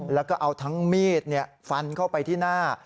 แล้วก็เอาทั้งมีดฟันเข้าไปที่หน้า